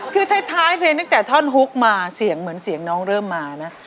คือท้ายเพลงตั้งแต่ท่อนฮุกมาเสียงเหมือนเสียงน้องเริ่มมานะ